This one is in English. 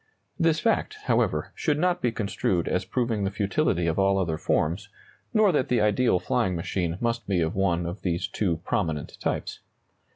This fact, however, should not be construed as proving the futility of all other forms, nor that the ideal flying machine must be of one of these two prominent types.